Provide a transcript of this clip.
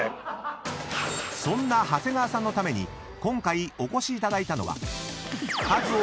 ［そんな長谷川さんのために今回お越しいただいたのは］